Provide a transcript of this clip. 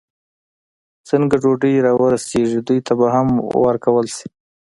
څنګه ډوډۍ را ورسېږي، دوی ته به هم ورکول شي.